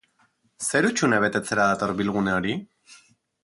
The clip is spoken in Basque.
Zer hutsune betetzera dator bilgune hori?